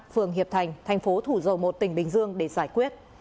phường hiệp thành thành phố thủ dầu một tỉnh bình dương để giải quyết